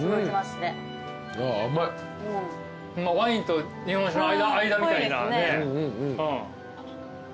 ワインと日本酒の間みたいなね。